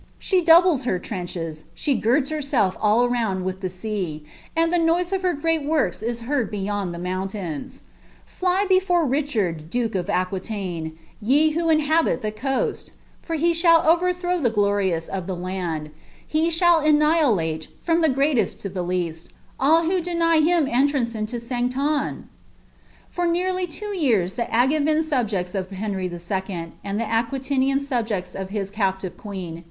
She dnublea iMt trenches, she girds herself all round with the sea. aud llie nouie of \m great works is heard beyond the mountains, Fly before Ricliani. dote of Aquiiaine, ye who inhabit the coast! for he aliall orcrtliri'W ihe^if" rious of the land — he shall annihilate, from the greatest to the leasuiil who deny him entrance into Saintonge T' For neariy two years, tlie Angevin subject; of Henry II., and the Aqu Unian snbjecis of bis captive qneen.